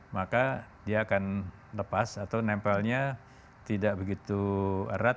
maka dia akan lepas atau nempelnya tidak begitu erat